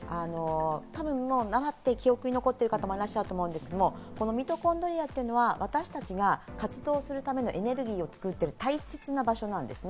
習って記憶に残っている方もいらっしゃると思うんですけど、ミトコンドリアというのは私たちが活動するためのエネルギーを作っている大切な場所なんです。